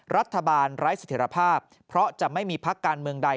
รัฐบาลไร้เสถียรภาพเพราะจะไม่มีพักการเมืองใด